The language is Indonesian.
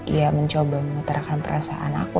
ya mencoba mengutarakan perasaan aku